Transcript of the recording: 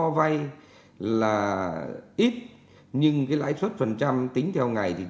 vì vậy đối tượng mới sống trong nhiều hành tây như miserable mét đ controle của một nhà máy đầy nhiều